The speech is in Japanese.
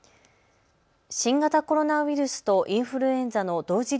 新型コロナウイルスとインフルエンザの同時